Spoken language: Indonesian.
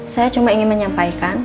saya cuma ingin menyampaikan